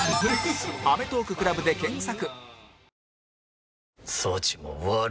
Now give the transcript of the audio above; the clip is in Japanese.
「アメトーーク ＣＬＵＢ」で検索